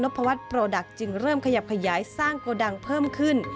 พวัฒน์โปรดักต์จึงเริ่มขยับขยายสร้างโกดังเพิ่มขึ้น